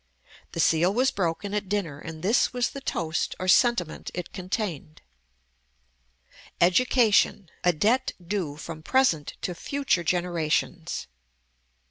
The seal was broken at dinner, and this was the toast, or sentiment, it contained: "EDUCATION _a debt due from present to future generations.